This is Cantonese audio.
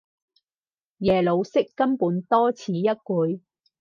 耶魯式根本多此一舉